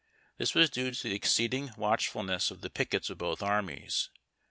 Tins was due to the exceeding watchfulness of the pickets of both armies.